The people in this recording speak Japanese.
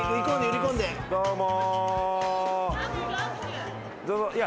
どうも。